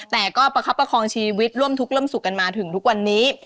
แต่ก็ประคับประคองชีวิตร่วมทุกข์ร่วมสุขกันมาถึงทุกวันนี้